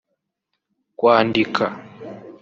kwandika